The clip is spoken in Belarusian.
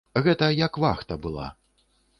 Гэта як вахта была.